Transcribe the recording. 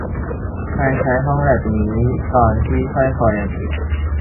ใครใช้ห้องแล็ปนี้ตอนที่สร้อยคอยังอยู่